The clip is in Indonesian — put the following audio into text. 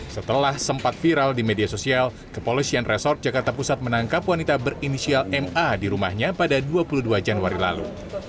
setelah sempat viral di media sosial kepolisian resort jakarta pusat menangkap wanita berinisial ma di rumahnya pada dua puluh dua januari lalu